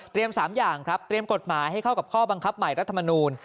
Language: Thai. เตรียม๓อย่างเตรียมกฎหมายให้เข้ากับข้อบังคับใหม่รัฐมนูน